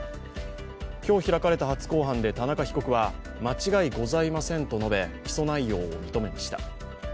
今日開かれた初公判で田中被告は間違いございませんと述べ、起訴内容を認めました。